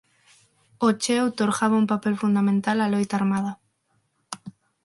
O Che outorgaba un papel fundamental á loita armada.